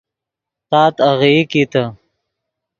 تات آغیئی کیتے